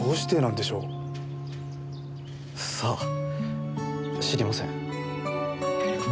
さあ知りません。